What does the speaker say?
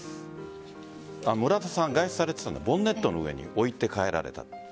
外出されていたのでボンネットの上に置いて帰られた。